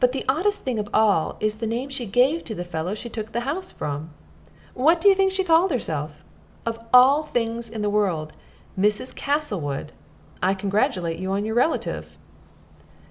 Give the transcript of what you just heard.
But the oddest thing of all is the name she gave to the fellow she took the house from. What do you think she called herself? Of all things in the world 'Mrs. Castlewood!' I congratulate you on your relative."